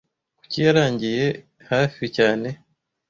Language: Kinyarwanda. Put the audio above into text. Kuki yarangiye hafi cyane